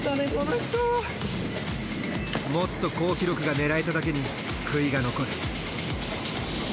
もっと好記録が狙えただけに悔いが残る。